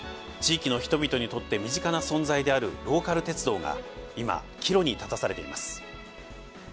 地域の人々にとって身近な存在であるローカル鉄道が今岐路に立たされています。